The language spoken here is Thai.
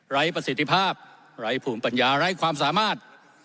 ประสิทธิภาพไร้ภูมิปัญญาไร้ความสามารถ